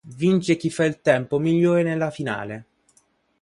Vince chi fa il tempo migliore nella finale.